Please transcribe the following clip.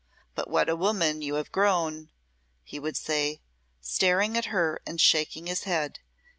But what a woman you have grown," he would say, staring at her and shaking his head.